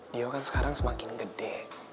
dia kan sekarang semakin gede